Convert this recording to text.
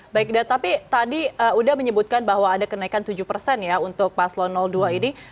baik baik tapi tadi sudah menyebutkan bahwa ada kenaikan tujuh ya untuk pas law dua ini